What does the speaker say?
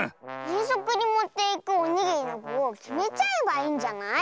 えんそくにもっていくおにぎりのぐをきめちゃえばいいんじゃない？